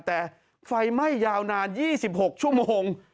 แต่ไฟไหม้ยาวนาน๒๖ชั่วโมง